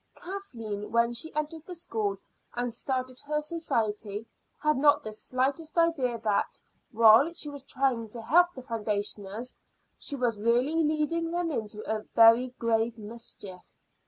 Kathleen, when she entered the school and started her society, had not the slightest idea that, while she was trying to help the foundationers, she was really leading them into very grave mischief.